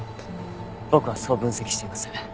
僕はそう分析しています。